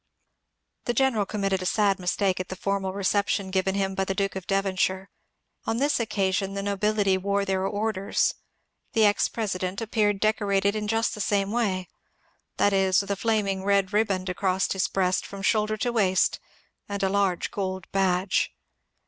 The general committed a sad mistake at the formal recep tion given him by the Duke of Devonshire. On this occasion the nobility wore their orders. The ex President appeared decorated in just the same way, — that is, with a flaming red riband across his breast from shoulder to waist, and a large gold badge.